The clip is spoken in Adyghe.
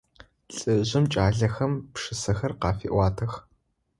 Лӏыжъым кӏалэхэм пшысэхэр къафеӏуатэх.